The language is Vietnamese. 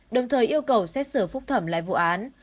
đồng thời yêu cầu xét xử phúc thẩm lại vụ án